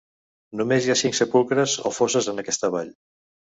Només hi ha cinc sepulcres o fosses en aquesta vall.